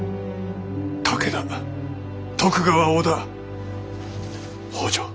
武田徳川織田北条